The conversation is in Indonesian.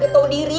gak tau diri